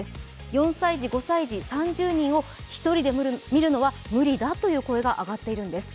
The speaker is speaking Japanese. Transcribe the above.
４歳児、５歳児３０人を１人で見るのは無理だという声が上がっているんです。